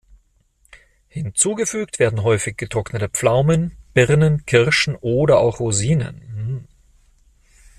Hinzugefügt werden häufig getrocknete Pflaumen, Birnen, Kirschen oder auch Rosinen.